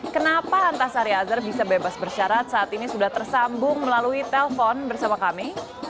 kenapa antasari azhar bisa bebas bersyarat saat ini sudah tersambung melalui telpon bersama kami